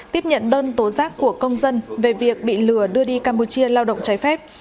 tiếp nhận đơn tố giác của công dân về việc bị lừa đưa đi campuchia lao động trái phép